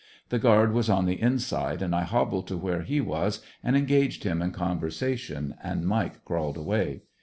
The guard was on the inside and 1 hobbled to where he was and engaged him in conversation and Mike crawled away.